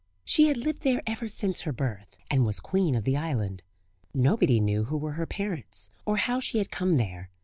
She had lived there ever since her birth, and was queen of the island. Nobody knew who were her parents, or how she had come there.